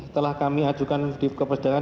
telah kami ajukan di kepresidenan